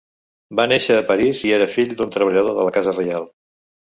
Va néixer a París i era fill d'un treballador de la casa reial.